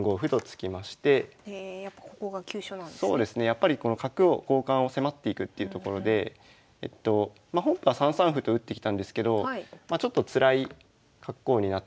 やっぱりこの角を交換を迫っていくっていうところでま本譜は３三歩と打ってきたんですけどちょっとつらい格好になって。